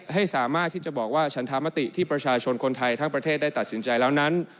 ให้สามารถที่จะบอกว่าชันธรรมติที่ประชาชนคนไทยทั้งประเทศได้ตัดสินใจแล้วนั้น